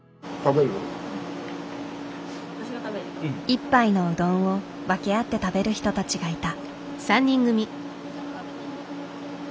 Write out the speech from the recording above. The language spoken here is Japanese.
一杯のうどんを分け合って食べる人たちがいた。